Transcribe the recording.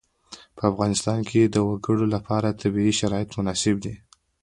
په افغانستان کې د وګړي لپاره طبیعي شرایط مناسب دي.